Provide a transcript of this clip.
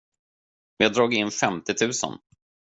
Vi har dragit in femtiotusen.